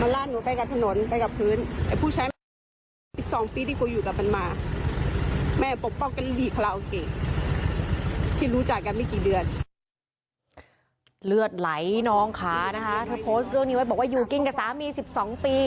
เลือดไหลนองขานะคะเธอโพสต์เรื่องนี้ไว้บอกว่าอยู่กินกับสามี๑๒ปี